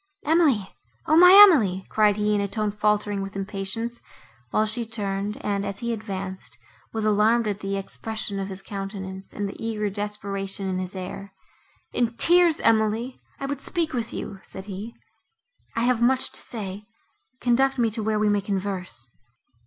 "Emily, O! my Emily!" cried he in a tone faltering with impatience, while she turned, and, as he advanced, was alarmed at the expression of his countenance and the eager desperation of his air. "In tears, Emily! I would speak with you," said he, "I have much to say; conduct me to where we may converse.